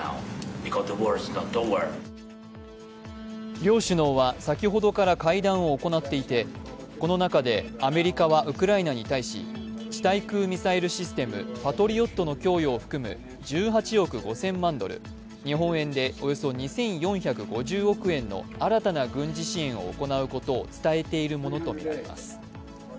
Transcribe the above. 両首脳は先ほどから会談を行っていてこの中でアメリカはウクライナに対し地対空ミサイルシステム、パトリオットの供与を含む１８億５０００万ドル、日本円でおよそ２４５０億円の新たな軍事支援を行うことを伝えているものとみられます。